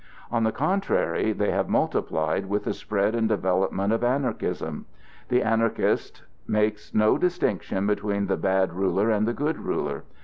On the contrary, they have multiplied with the spread and development of Anarchism. The Anarchist makes no distinction between the bad ruler and the good ruler.